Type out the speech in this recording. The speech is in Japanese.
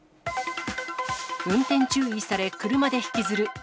運転注意され、車で引きずる。